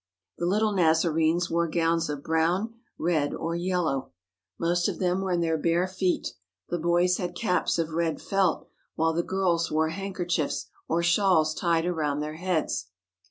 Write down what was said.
The little Nazarenes wore gowns of brown, red, or yellow. Most of them were in their bare feet; the boys had caps of red felt, while the girls wore handkerchiefs or shawls tied around their heads.